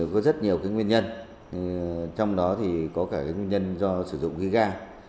có rất nhiều nguyên nhân trong đó có cả nguyên nhân do sử dụng khí ga